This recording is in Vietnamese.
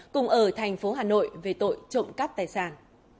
cùng ở thành phố hà nội về tội trộm cắp tài sản